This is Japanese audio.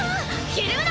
ひるむな！